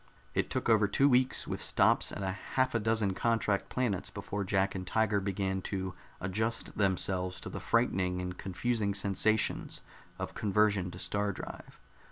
It took over two weeks, with stops at half a dozen contract planets, before Jack and Tiger began to adjust themselves to the frightening and confusing sensations of conversion to star drive.